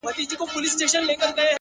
د خپل ښايسته خيال پر رنگينه پاڼه؛